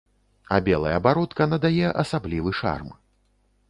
А белая бародка надае асаблівы шарм.